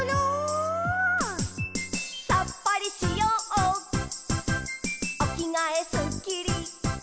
「さっぱりしようおきがえすっきり」